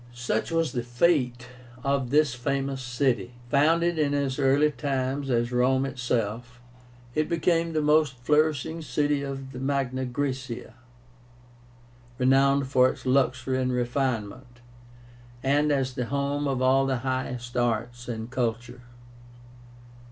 Such was the fate of this famous city. Founded in as early times as Rome itself, it became the most flourishing city of Magna Graecia, renowned for its luxury and refinement, and as the home of all the highest arts and culture.